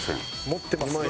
持ってますね。